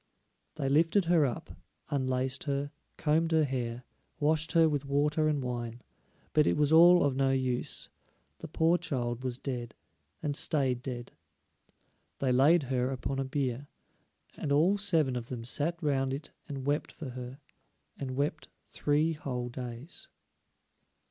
They lifted her up, unlaced her, combed her hair, washed her with water and wine, but it was all of no use; the poor child was dead, and stayed dead. They laid her upon a bier, and all seven of them sat round it and wept for her, and wept three whole days.